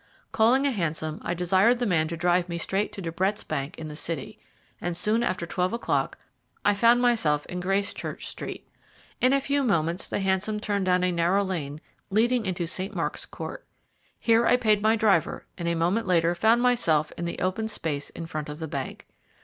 Calling a hansom, I desired the man to drive me straight to De Brett's bank in the City, and soon after twelve o'clock I found myself in Gracechurch Street. In a few moments the hansom turned down a narrow lane leading into St. Mark's Court. Here I paid my driver, and a moment later found myself in the open space in front of the bank.